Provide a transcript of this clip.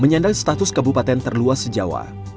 menandang status kabupaten terluas sejawa